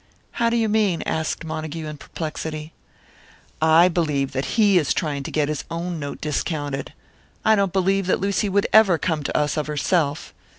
"How do you mean?" asked Montague, in perplexity. "I believe that he is trying to get his own note discounted. I don't believe that Lucy would ever come to us of herself.